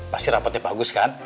pasti rapotnya bagus kan